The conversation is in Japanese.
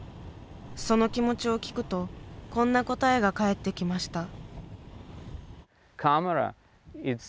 その気持ちを聞くとこんな答えが返ってきました。